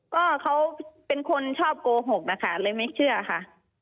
ก็เขาเป็นคนชอบโกหกนะคะเลยไม่เชื่อค่ะ